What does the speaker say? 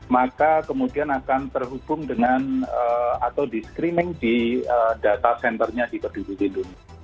maka kemudian akan terhubung dengan atau di screening di data centernya di peduli lindungi